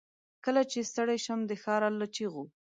کله چې ستړی شم، دښارله چیغو